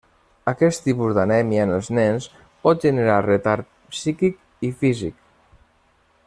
Aquest tipus d'anèmia en els nens pot generar retard psíquic i físic.